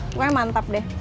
pokoknya mantap deh